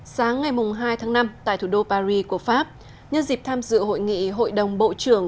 sáng ngày hai tháng năm tại thủ đô paris của pháp nhân dịp tham dự hội nghị hội đồng bộ trưởng